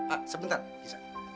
ah sebentar gisa